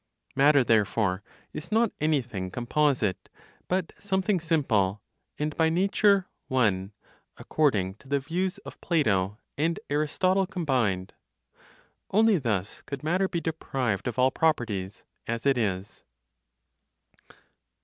Matter therefore is not anything composite, but something simple, and by nature one (according to the views of Plato and Aristotle combined). Only thus could matter be deprived of all properties (as it is).